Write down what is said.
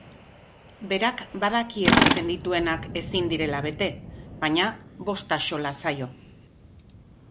Berak badaki esaten dituenak ezin direla bete, baina bost axola zaio.